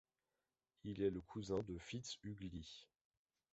Il est le cousin de Fitzhugh Lee.